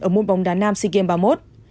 ở môn bóng đá nam sea games ba mươi một